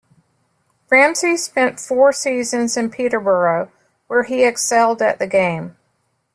Ramsay spent four seasons in Peterborough where he excelled at the game.